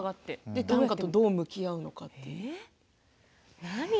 短歌とどう向き合うのかと。